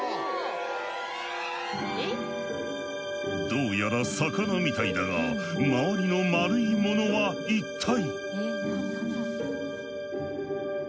どうやら魚みたいだが周りの丸いものは一体？